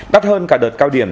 đắt hơn cả đợt cao điểm